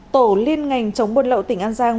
tổ liên ngành chống buôn lậu tỉnh an giang